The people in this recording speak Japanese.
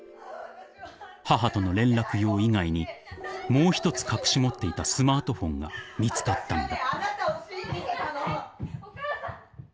［母との連絡用以外にもう一つ隠し持っていたスマートフォンが見つかったのだ］